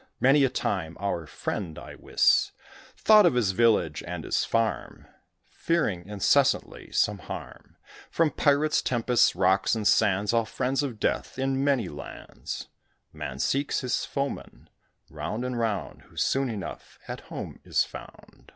Many a time our friend, I wis, Thought of his village and his farm, Fearing incessantly some harm From pirates, tempests, rocks and sands, All friends of death. In many lands Man seeks his foeman, round and round, Who soon enough at home is found.